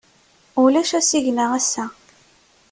Ulac asigna ass-a.